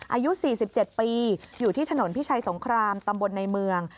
อายุ๔๗ปีอยู่ที่ถนนพิชัยสงครามตำบลในเมือง